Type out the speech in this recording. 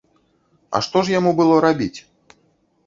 А што ж яму было рабіць?